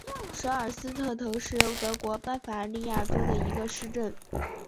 舍尔斯特滕是德国巴伐利亚州的一个市镇。